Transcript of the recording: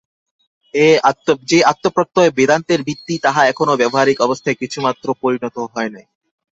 যে আত্মপ্রত্যয় বেদান্তের ভিত্তি, তাহা এখনও ব্যাবহারিক অবস্থায় কিছুমাত্রও পরিণত হয় নাই।